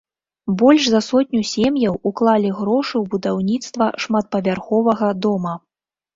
Больш за сотню сем'яў уклалі грошы ў будаўніцтва шматпавярховага дома.